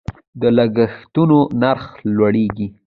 د لګښتونو نرخ لوړیږي.